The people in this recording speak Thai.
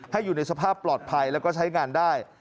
อยู่ในสภาพปลอดภัยแล้วก็ใช้งานได้